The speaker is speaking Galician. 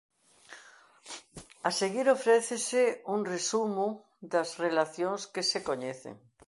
A seguir ofrécese un resumo das relacións que se coñecen.